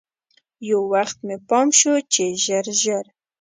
یو وخت مې پام شو چې ژر ژر.